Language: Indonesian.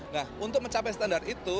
nah untuk mencapai standar itu